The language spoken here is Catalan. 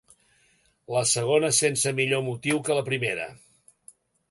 La segona sense millor motiu que la primera.